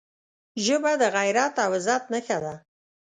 ژبه د غیرت او عزت نښه ده